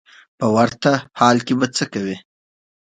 په ورته حال کې به څه کوې.